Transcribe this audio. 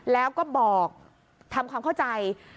แล้วก็บอกทำความเข้าใจ